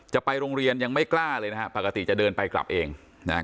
จะไปโรงเรียนยังไม่กล้าเลยนะฮะปกติจะเดินไปกลับเองนะฮะ